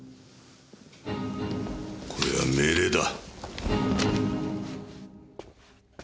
これは命令だ。